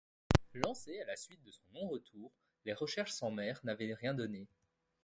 Lancées à la suite de son non-retour, les recherches en mer n'avaient rien donné.